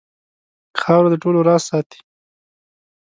خاوره د ټولو راز ساتي.